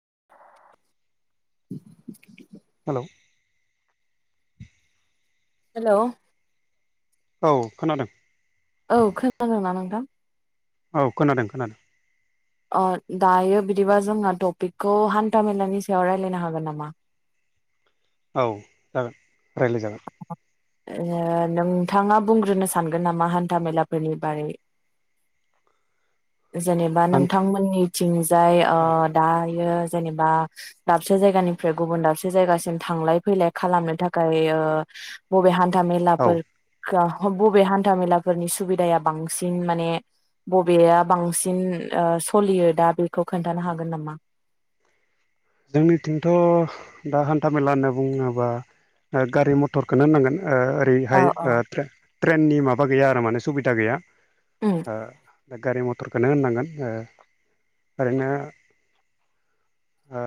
[inaudible] [inaudible] Hello. औ खोनादों। औ खोनादोंना नोंथां। औ खोनादों खोनादों। अ दायो बिदिबा जोंना टपिकखौ हान्थामेलानि सायाव राय्लायनो हागोन नामा? औ जागोन रायज्लाय जागोन। ओ नोंथाङा बुंग्रोनो सानगोन नामा हान्था मेलाफोरनि बारै? जेनेबा हान्था नोंथांमोननिथिंजाय औ ओ दायो जेनेबा दाबसे जायगानिफ्राय गुबुन दाबसे जायगासिम थांलाय फैलाय खालामनो थाखाय ओ बबे हा औ थामेलाफोर ग बबे हान्था मेलाफोरनि सुबिदाया बांसिन माने बबेया बांसिन सलियो दा बे खौ खोन्थानो हागोन नामा? जोंनिथिंथ' दा हान्था मेला होनना बुङोबा गारि मथरखौनो होननांगोन। औ ओ-ओरैहाय औ त्रेन ट्रेननि माबा गैया आरो माने सुबिदा गैया। ओम। ओ दा गारि मथरखौनो होननांगोन ओ-ओरैनो ओ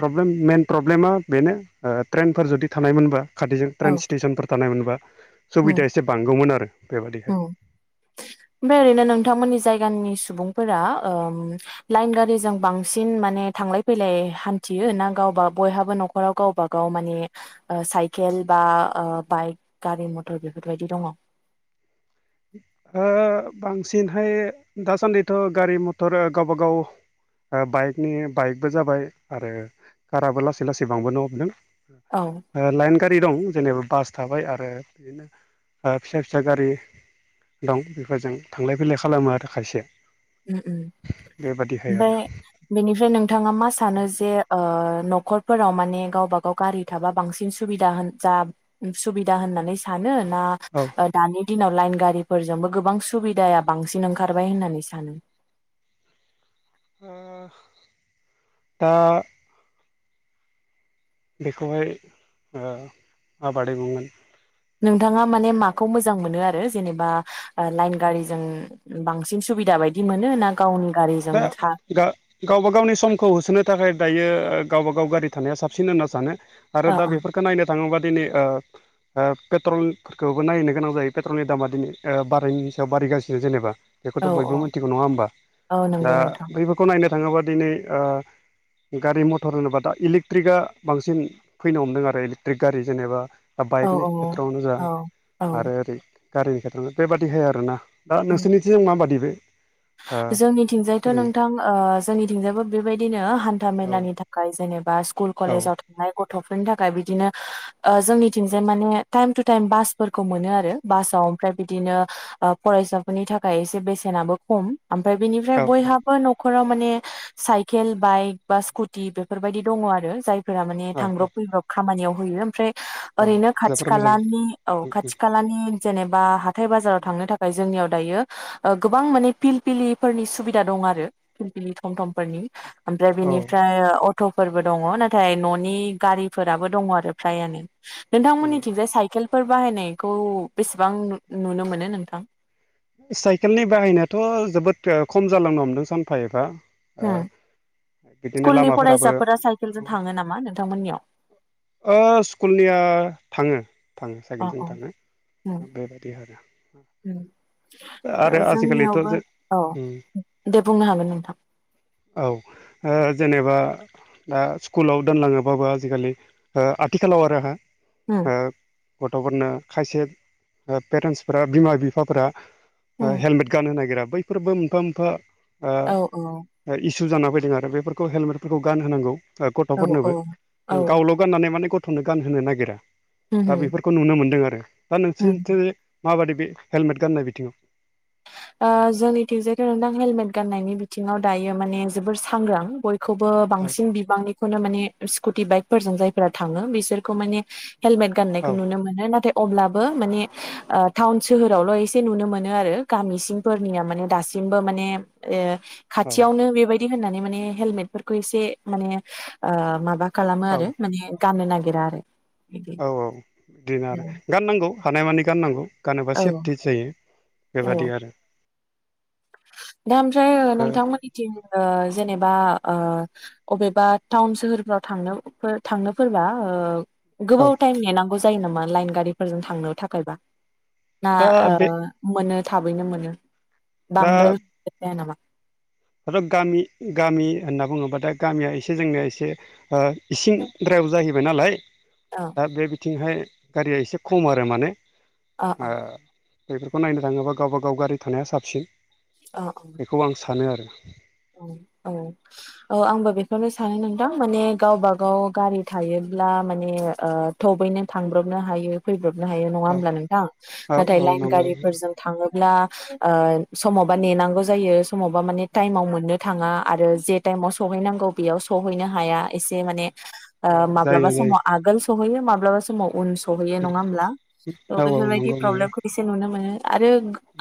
प्रब्लेम मेन प्रब्लेमा बेनो ओ ट्रेनफोर जुदि थानायमोनबा खाथिजों औ ट्रेन स्टेसनफोर थानाय मोनबा [inaudible] उम सुबिदा एसे बांगौमोन आरो। बेबायदिहाय ‌। बे ओरैनो नोंथांमोननि जायगानि सुबुंफोरा ओम लाइन गारिजों बांसिन माने थांलाय फैलाय हान्थियो ना गावबा बयहाबो न'खराव गावबा गाव माने ओ साइकेल बा ओ बाइक गारि मथर बेफोरबायदि दङ? ओ बांसिनहाय दासान्दिथ' गारि मथर गावबागाव ओ बाइकनि बाइकबो जाबाय आरो काराबो लासै लासै बांबोनो हमदों ‌‌। उम ओ लाइन गारि दं जेनेबा बास थाबाय आरो बिदिनो ओ फिसा फिसा गारि दं बेफोरजों थांलाय फैलाय खालामनो आरो खायसे। ओम ओम बेबादिहाय आरो ओमफ्राय बेनिफ्राय नोंथाङा मा सानो जे ओ न'खर फोराव माने गावबा गाव गारि थाबा बांसिन सुबिदा होन जा सुबिदा होननानै सानो ना औ ओ दानि दिनाव लाइन गारिफोरजोंबो गोबां सुबिदाया बांसिन ओंखारबाय होननानैस आनो अ दा बेखौहाय ओ माबादि बुंगोन? नोंथाङा माने माखौ मोजां मोनो आर ओ जेनेबा लाइन गारिजों बांसिन सुबिदा बायदि मोना गावनि गारिजों दा था गा-गावबा गावनि समखौ होसोनो थाखाय दायो गावबागाव गारि थानाया साबसिन होनना सानो। आरो ओ दा बेफोरखौ नायनो थाङोबा दिनै ओ ओ पेट्रलफोरखोबो नायनो गोनां जायो पेट्रलनि दामा दिनै ओ बारायनायनि सायाव बारायगासिनो जेनेबा। औ बेखौथ' बयबो औ मोनथिगौ नङा होमबा? औ दा नंगौ नोंथां बैफोरखौ नायनो थाङोबा दिनै ओ गारि मथर होनोबा दा इलेक्ट्रिकआ बांसिन फैनो हमदों आरो इलेकट्रिक गारि जेनेबा औ बाइकनि खेथ्रआवनो जा औ औ आरो ओरै गारिनि खेथ्रआव बेबादि हाय आरो ना। दा नोंसोरनिथिं मााबादि? बै [inaudible] जोंनिथिंजाय थ' नोंथां ओ जोंनिथिंजायबो बेबायदिनो हान्था मेलानि थाखाय जेने बास स्कुल औ कलेजाव थांनाय गथ' फोरनि थाखाय बिदिनो ओ जोंनिथिंजाय माने टाइम टु टाइम बासफोरखौ मोनो आरो बासाव ओमफ्राय बिदिनो फरायसाफोरनि थाखाय एसे बेसेनाबो खम ओमफ्राय बेनिफ्राय औ बयहाबो न'खराव माने साइकेल बाइक बा स्कुटि बेफोरबायदि दङ आरो जाय फोरा माने औ थांब्रब औ फैब्रब खामानियाव होयो ओमफ्राय औ ओरैनो खाथि जोबोर मोजां खालानि औ खाथि खालानि जेनेबा बा हा थाय बाजाराव थांनो थाखाय जोंनियाव दायो गोबां माने पिल पिलिफोरनि सुबिदा दं आरो पिल पिलि तम तमफोरनि ओमफ्राय औ बिनिफ्राय अटफोरबो दङ नाथाय न'नि गारिफोराबो दङ आरो फ्रायानो नोंथांमोन उम निथिंजाय साइकेल फोर बाहायनायखौ बेसेबां नुनो मोनो नोंथां? साइकेलनि बाहायनायाथ' जोबोद खम जालांनो हमदों सानफा एफा। ओ उम बिदिनो स्कुलनि लामाफोराबो फरायसाफोरा साइकेलजों थाङो नामा नोंथांमोननियाव? ओ स्कुलनिया थाङो। थाङो अ साइकेलजों अ थाङो उम बेबायदि आरो। उम आरो आजिखालिथ' जोंनियावबो जों औ उम दे बुंनो हागोन नोंथां। औ ओ जेनेबा दा स्कुलाव दोनलाङोबाबो आजिखालि ओ आथिखालाव आरो हा उम ओ गथ'फोरनो खायसे पेरेन्टसफोरा बिमा बिफाफोरा उम हेलमेट गान होनो नागिरा बैफोरबो मोनफा मोनफा औ औ ओ इस सु जाना फैदों आरो बेफोरखौ हेलमेटफोरखौ गानहोनांगौ। औ औ गथ'फोरनोबो औ गावल' गाननानै माने गथ' गथ'नो गान होनो नागिरा उम दा बेफोरखौ नुनो मोनदों आरो। [unintelligible] दा उम नोंसोरनिथिं माबायदि बे हेलमेट गाननाय बिदि [unintelligible] जोंनिथिंजायथ नोंथां हेलमेट गाननायनि बिथिङाव दायो माने जोबोर सांग्रां बय खौबो बांसिन बिबांनिखौनो माने स्कुटि बाइकफोरजों जाय फोर थाङो बिसोरखौ माने हेलमेट औ गाननायखौ नुनो मोनो नाथाय। अब्लाबो माने टाउन सोहोरावल' एसे नुनो मोनो आरो। गामि सिंफोरनिया माने दासिमबो माने औ खाथियावनो बेबायदि होननानै माने हेलमेटफोरखौ इसे माने माबा खालामो औ आरो माने गाननो नागिरो। [unintelligible] आरो बिदि औ औ बिदिनो आरो औ गाननांगौ। हानायमानि गाननांगौ। गानोबा औ सेफटि जायो। औ बेबादि आरो दा ओमफ्राय नोंथांमोननिथिं जेनेबा अबेबा टाउन सोहोरफ्राव थांनो थांनोफोरबा ओ औ गोबाव टाइम नेनांगौ जा जायो नामा लाइन गारिफोरजों थांनो थाखायबा ना दा ओ बे मोनो थाबैनो मोनो। बांद्राय जाया नामा आरोथ' गामि गामि होनना बुङोबा दा गामिया एसे जोंनि एसे ओ इसिं द्रायाव जाहैबाय जाबाय नालाय। औ दा बे बिथिंहाय गारिया एसे खम आरो माने अ अ औ। बेफोरखौ नायनो थाङोबा गावबागाव गारि थानाया साबसिन अ अ बेखौ आं सानो आरो। [inaudible] औ औ औ आंबो बेखौनो सानो नोंथां माने गावबागाव गारि थायोब्ला माने ओ थबैनो थांब्रबनो हायो फैब्रब नो हायो औ नोंथां। औ नाथाय औ लायेन नंगौ हारिफोरजों थाङो ब्ला ओ समावबाेनांगौ जायो समावबा माने टायेमाव मो नो थाङा आरो जे टाइमाव सौहैनांगौ बेयाव सहैनो हाया। एसे माने ओ औ जायो माब्लाबा जायो समाव आगोल सहैयो माब्लाबा समाव [unintelligible] सहैयो नङा होमब्ला ओ औ औ बेफोरबायदि नंगौ नंगौ प्रब्लेमखौ एसे नुनो मोनो। आरो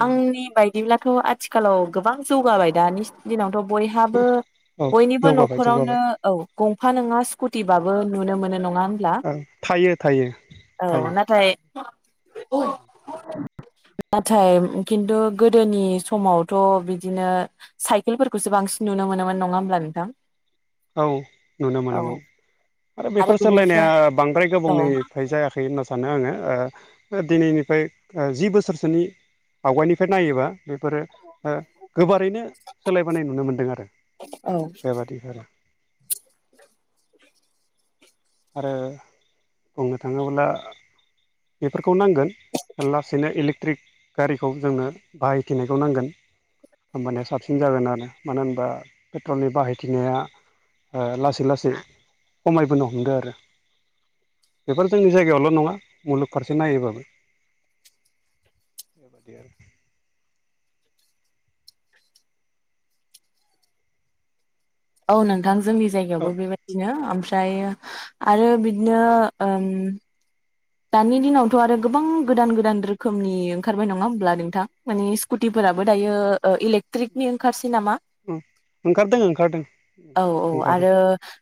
आंनि बायदिब्ला थ' आथिखालाव गोबां जौगाबाय दानि दिनावथ' बयहाबो औ बयनिबो जौगाबाय न'खरावनो जौगाबाय औ गंफा नङा सि स्कुटिबाबो नुनो मोनो नङा होनब्ला औ थायो थायो औ थायो नाथाय नाथाय खिन्थु गोदोनि समावथ' बिदिनो साय खेलफोरखौसो बांसिन नुनो मोनोमोन नङा होमब्ला नोंथां? औ नुनो औ मोनोमोन। आरो बेफोर सोलायनाया बांद्राय औ गोबावनिफ्राय जायाखै बिदि होनना सानो आङो ओ दिनैनिफ्राय जि बोसोरसोनि आवगायनिफ्राय नायोबा बेफोरो गोबारैनो सोलायबोनाय नुनो मोनदों आरो औ बेबादिफोरा आरो बुंनो थाङोब्ला बेफोरखौ नांगोन लासैनो इलेक्ट्रिक गारिखौ जोंनो बाहायथिनायखौ नांगोन होमबानिया साबसिन जागोन आरो मानो होनबा पेट्रलनि बाहायथिनाया लासै लासै खमायबोनो हमदो आरो। बेफोर जोंनि जायगायावल' नङा मुलुग फारसे नायोबाबो औ नोंथां जोंनि औ जायगायावबो बेबायदिनो आमफ्रा- फ्रायो आरो बिदिनो ओम दानि दिनावथ' आरो गोबां गोदान गोदान रोखोमनि ओंखारबाय नङा होब्ला नोंथां माने स्कुटिफोराबो दायो इलेक्ट्रिकनि ओंखारसिग नामा उम ओंखारदों ओंखारदों औ औ ओंखारदों आरो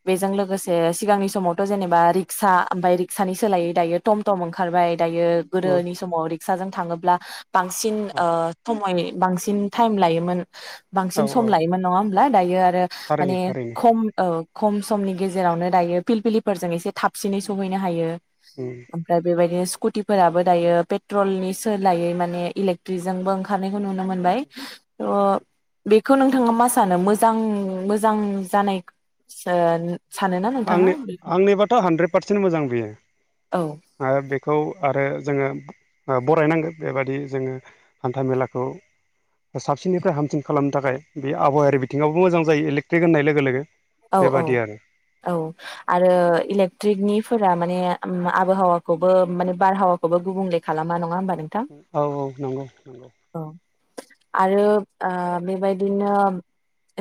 बेजों लोगो लोगोसे सिगांनि समावथ' जेनबा रिक्सा ओमफाय रिक्सानि सोलायै दायो टम टम ओंखारबाय दायो गोदोनि समाव रिक्साजों थाङोब्ला बांसिन औ ओ थमयनि बांसिन टाइम लायोमोन औ बांसिन सम औ लायोमोन नङा होम ना दायो आ रो थारैनो माने थारैनो खम ओ खम समनि गेजेरावनो दायो फिलफिलिफोरजों एसे थाब सिनै सहैनो हायो। उम ओ बेबायदिनो स्कुटिफोराबो दायो पेट्रलनि सोलायै माने इलेक्ट्रिजोंबो ओंखारनायखौ नुनो मोनबाय। थ' बेब खौ नोंथाङा मा सानो मोजां मोजां जानाय ओ आंनि आंनिबाथ' हानद्रेद पारसेन्ट मोजां बियो। औ ओ बेखौ आरो ओ जोङो ओ बरायनांगोन बेबादि जोङो हान्था मेलाखौ साबसिननिफ्राय हामसिन खालामनो थाखाय बे आबहावायारि बिथिङावबो मोजां जायो इलेक्ट्रिक होननाय लोगो लोगो। औ औ बेबादि आरो औ आरो इलेक्ट्रिकनि फोरा माने आम आबोहावाखौबो माने बारहावाखौबो गुबुंले खालामा नङा होमबा? नोंथां उम औ औ नंगौ नंगौ। औ आरो ओ बेबायदिनो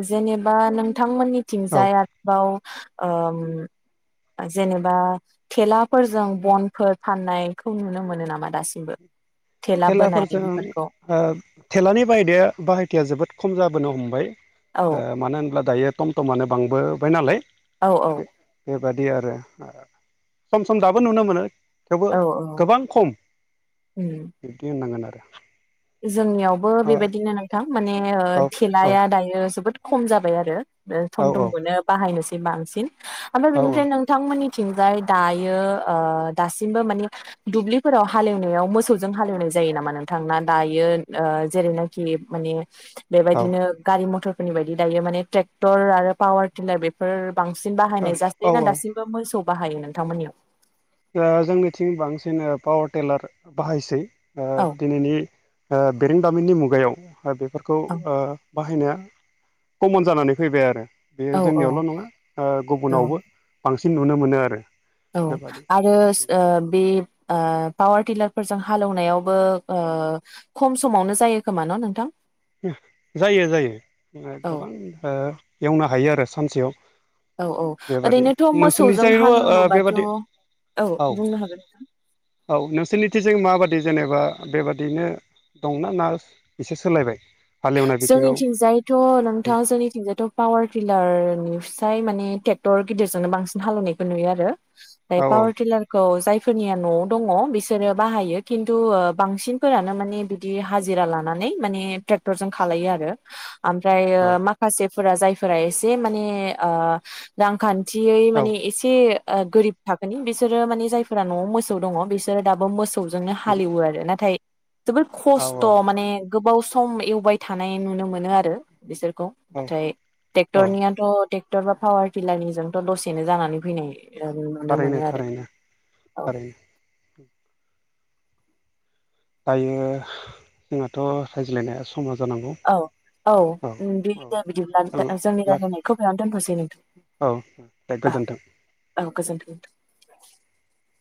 जेनेबा नोंथांमोननि औ थिंजाय आरोबाव ओम जेनेबा थेलाफोरजों बनफोर फाननायखौ नुनो मोनो नामा दासिमबो? थेला बोनाय थेलाफोरजों बेफोरखौ ओ थेलानि बाहायदाया बाहायथिया जोबोद खम जाबोनो हम बाय औ ओ मानो होनब्ला दायो टम टमानो बांबोबाय नालाय औ औ बादि आरो ओ सम सम दाबो नुनो मोनो। थेवबो औ गोबां खम उम बिबदि होननांगोन आरो जोंनियावबो बेबायदिनो नोंथां। माने ओ औ औ थेलाया दायो जोबोद खम जाबाय आरो। ओ औ थम थमखौनो बाहायनोसै। बे बांसिन ओमफ्राय औ बिनोफ्राय नोंथां मोननि थिंजाय दायो ओ दासिमबो मानि दुब्लिफोराव हालेवनायाव मोसौजों हालेवनाय जायो नामा नोंथां ना दायो ओ जेरैनाखि माने औ बेबायदिनो गारि मथर फोरनि बायदि दायो माने ट्रेक्टर आरो पावार टिनार बेफोर बांसिन बाहायनाय जासै औ औ ना औ दासिमबो मोसौ बाहायो नोंथांमोननियाव? जोंनिथिं बांसिन पावार टिलार बाहायसै। औ दिनैनि बेरेंदामिननि मु गायाव बेफोरखौ औ ओ बाहायनाया कमन जानानै फैबाय आरो। बेयो औ औ जोंनियावल नङा दङ गुबुनावबो बांसिन नुनो मोनो आरो। औ। बेबादि आरो बे ओ पावार टिलार फोरजों हालेवनायावबो ओ खम समावनो जायो खोमा न नोंथां? जायो जायो औ गोबां एवनो हायो आरो। सानसेयाव औ औ बेबादि ओरैनोथ मोसौजों नोंसोरनिजायबो ओ हालेवोबाथ बेबादि औ औ बुंनो हागोन नोंथां। औ नोंसोरनिथिजों माबादि जेनेबा बेबादिनो दंना ना एसे सोलायबाय? हालेवनाय बिथिङाव जोंनिथिंजायथ नोंथां जोंनिथिंजायाथ पावार टिलारनि फिसाय माने ट्रेक्टर गिदिरजोंनो बांसिन हालेवनायखौ नुयो आरो। बे औ पावार टिलारखौ जाय फोरनिया न'आव दङ बिसोरो बाहायो खिन्थु बांसिनफोरानो माने बिदि हाजिरा लानानै माने ट्रे क्टरजों खालायो आरो। ओमफ्राय माखासे जायफोरा एसे माने ओ रांखा न्थियै औ माने एसे गोरिब थाखोनि बिसोरो माने जायफोरा न'आव मोसौ दङ बिसोरो दाबो मो सौजोंनो हालिएवो आरो नाथाय जोबोर औ खस्थ औ माने गोबाव सम बाय थानाय नुनो मोनो आरो बिसोर खौ औ नाथाय औ ट्रेक्टरनियाथ टेक्टर बा पावार टिलारनिजोंथ दसेनो जानानै फैनाय नुनो थारैनो मोनो आरो थारैनो औ। थारैनो दायो जोंहाथ रायज्लायनाया समा जानांगौ औ औ दे दे बिदिब्ला औ जोंनि लाखि रायलायनायखौ बेयाव दोनथसै नोंथां औ दे औ गोजोन्थों। औ गोजोनथों। [inaudible]